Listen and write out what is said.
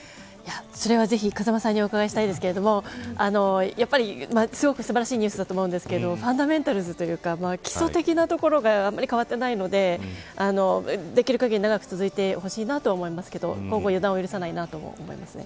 それはぜひ、風間さんにお伺いしたいですがやっぱりすごくすばらしいニュースだと思いますがファンダメンタルズというか基礎的なところが変わっていないのでできる限り長く続いてほしいと思いますが今後、予断を許さないなと思います。